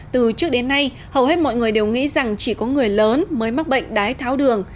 từ trước đến nay hầu hết mọi người đều nghĩ rằng chỉ có người lớn mới mắc bệnh đái tháo đường